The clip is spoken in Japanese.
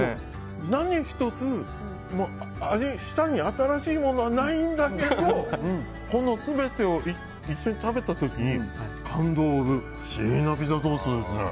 何１つ舌に新しいものはないんだけどこの全てを一緒に食べた時に感動を生む不思議なピザトーストですね。